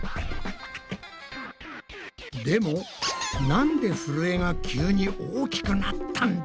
でもなんでふるえが急に大きくなったんだ？